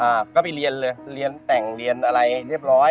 อ่าก็ไปเรียนเลยเรียนแต่งเรียนอะไรเรียบร้อย